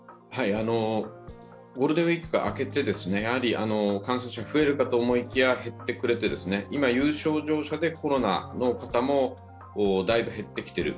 ゴールデンウイークが明けて感染者増えるかと思いきや減ってくれて、今、有症状者でコロナの方も大分減ってきている。